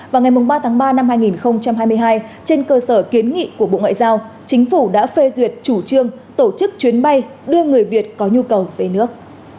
vào ngày ba tháng ba năm hai nghìn hai mươi hai trên cơ sở kiến nghị của bộ ngoại giao chính phủ đã phê duyệt chủ trương tổ chức chuyến bay đưa người việt có nhu cầu về nước